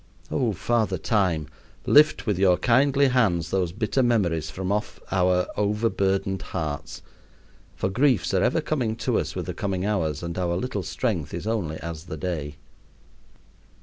Oh, Father Time, lift with your kindly hands those bitter memories from off our overburdened hearts, for griefs are ever coming to us with the coming hours, and our little strength is only as the day.